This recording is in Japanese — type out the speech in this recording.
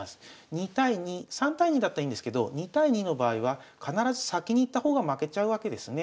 ２対２３対２だったらいいんですけど２対２の場合は必ず先にいった方が負けちゃうわけですね。